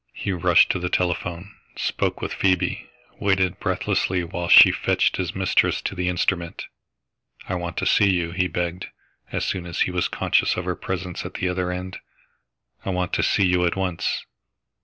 He rushed to the telephone, spoke with Phoebe, waited breathlessly whilst she fetched his mistress to the instrument. "I want to see you," he begged, as soon as he was conscious of her presence at the other end. "I want to see you at once."